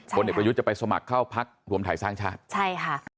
คนเด็กประยุทธ์จะไปสมัครเข้าพักหวมถ่ายสร้างชาติ